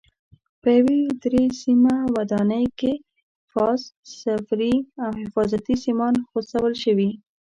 په یوه درې سیمه ودانۍ کې فاز، صفري او حفاظتي سیمان غځول شوي.